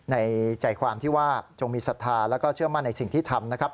ในใจความที่ว่าจงมีศรัทธาแล้วก็เชื่อมั่นในสิ่งที่ทำนะครับ